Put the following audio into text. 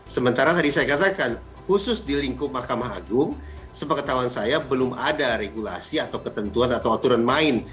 sementara tadi saya katakan khusus di lingkup mahkamah agung sepengetahuan saya belum ada regulasi atau ketentuan atau aturan main